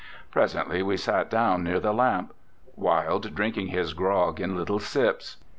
Presently we sat down near the lamp, Wilde drinking his grog in little sips.